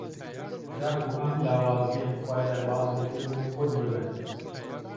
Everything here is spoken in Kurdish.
Da ku em lawaziyên xwe derbas bikin û xurt bibin.